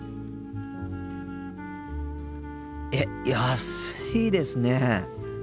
えっ安いですね。